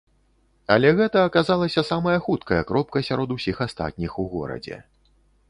Але гэта аказалася самая хуткая кропка сярод усіх астатніх у горадзе.